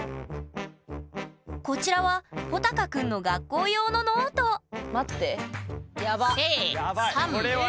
こちらはほたかくんの学校用のノート待ってやば。